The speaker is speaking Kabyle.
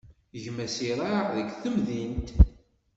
Gma-s iraε deg temdint.